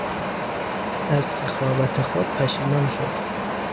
از سخاوت خود پشیمان شد.